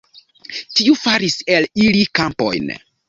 Tiu faris el ili kampojn.